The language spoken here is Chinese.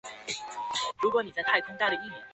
钝叶拉拉藤为茜草科拉拉藤属下的一个变种。